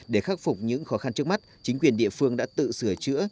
để khắc phục những khó khăn trước mắt chính quyền địa phương đã tự sửa chữa